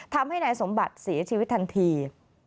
ทำให้นายสมบัติเสียชีวิตทันที